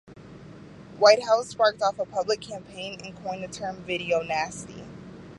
Whitehouse sparked off a public campaign and coined the term 'video nasty'.